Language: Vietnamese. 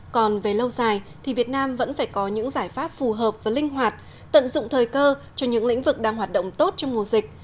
còn về lâu dài thì việt nam vẫn phải có những giải pháp phù hợp và linh hoạt tận dụng thời cơ cho những lĩnh vực đang hoạt động tốt trong mùa dịch